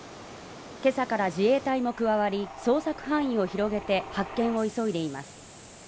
今朝から自衛隊も加わり捜索範囲を広げて発見を急いでいます。